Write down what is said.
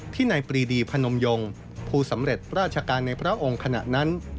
ในปรีดีพนมยงผู้สำเร็จราชการในพระองค์ขณะนั้น